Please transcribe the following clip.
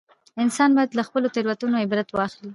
انسان باید له خپلو تېروتنو عبرت واخلي